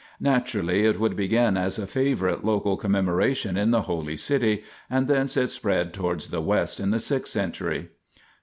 Naturally it would begin as a favourite local commemoration in the Holy City, and thence it spread towards the West in the sixth century.